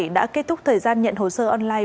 đã kết thúc thời gian nhận hồ sơ online